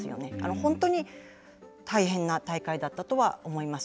本当に大変な大会だったとは思います。